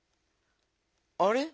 あれ？